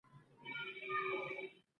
ایا زه باید یخې اوبه وڅښم؟